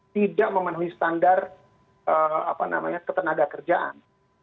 tidak memenuhi standar ketenaga kerjaan